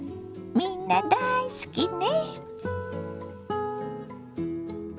みんな大好きね。